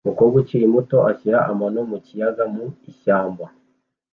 Umukobwa ukiri muto ashyira amano mu kiyaga mu ishyamba